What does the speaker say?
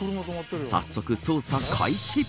早速、捜査開始。